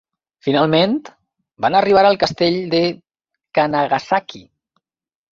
Finalment van arribar al castell de Kanagasaki.